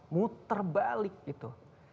muter balik gitu